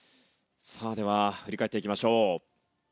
では、振り返っていきましょう。